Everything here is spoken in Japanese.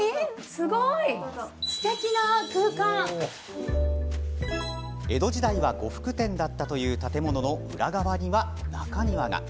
すごい！江戸時代は呉服店だったという建物の裏側には、中庭が。